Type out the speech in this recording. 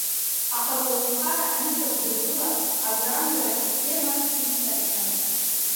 Аха аколнхарақәа анышьақәдыргыла, агәрамгара асистема иҵнагахьан.